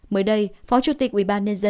mới đây phó chủ tịch ubnd